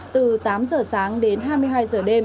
từ tám giờ sáng đến hai mươi hai giờ đêm